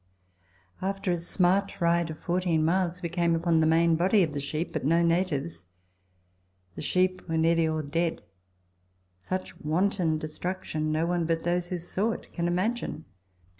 After a smart ride of fourteen miles we came on the main body of the sheep, but no natives. The sheep were nearly all dead ; such wanton destruction no one but those who saw it can imagine.